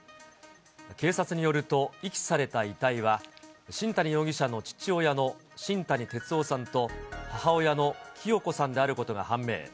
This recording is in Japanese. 警察によると遺棄された遺体は、新谷容疑者の父親の新谷哲男さんと母親の清子さんであることが判明。